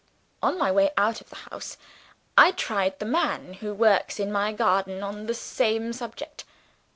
On my way out of the house, I tried the man who works in my garden on the same subject.